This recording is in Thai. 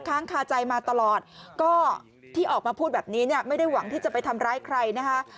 ค้างคาใจมาตลอดก็ที่ออกมาพูดแบบนี้เนี่ยไม่ได้หวังที่จะไปทำร้ายใครนะคะ